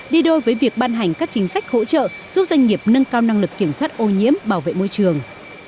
đi đôi với việc ban hành các chính sách hỗ trợ giúp doanh nghiệp nâng cao năng lực kiểm soát ô nhiễm bảo vệ môi trường